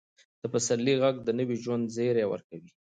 د پسرلي ږغ د نوي ژوند زیری ورکوي.